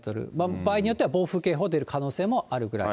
場合によっては暴風傾向が出る可能性もあるくらい。